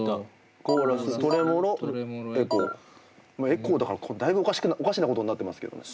エコーだからだいぶおかしなことになってますけどね。